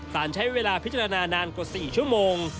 สารใช้เวลาพิจารณานานกว่า๔ชั่วโมง